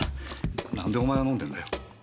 何でお前が飲んでんだよ？